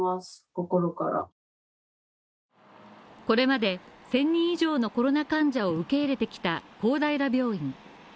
これまで１０００人以上のコロナ患者を受け入れてきた公平病院